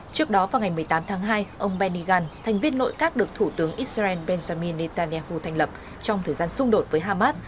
trước đó vào ngày một mươi tám tháng hai ông benny gant thành viên nội các được thủ tướng israel benjamin netanyahu thành lập trong thời gian xung đột với hamas